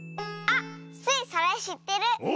あっスイそれしってる！